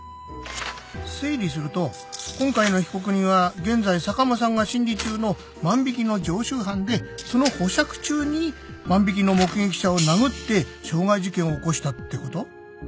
整理すると今回の被告人は現在坂間さんが審理中の万引の常習犯でその保釈中に万引の目撃者を殴って傷害事件を起こしたってこと？